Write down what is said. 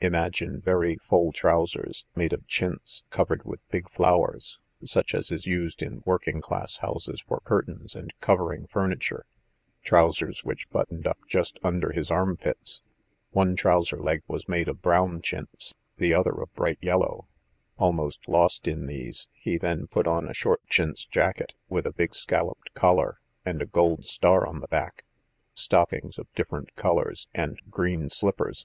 Imagine very full trousers, made of chintz covered with big flowers, such as is used in working class houses for curtains and covering furniture, trousers which buttoned up just under his armpits. One trouser leg was made of brown chintz, the other of bright yellow. Almost lost in these, he then put on a short chintz jacket, with a big scalloped collar, and a gold star on the back, stockings of different colours, and green slippers.